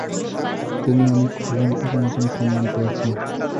তিনি অনেক অলংকরণ এবং সম্মান পেয়েছেন।